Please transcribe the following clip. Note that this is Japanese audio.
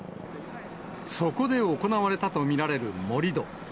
そこで行われたと見られる盛り土。